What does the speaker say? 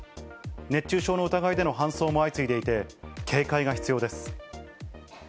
熱中症の疑いでの搬送も相次いでいて、警戒が必要です。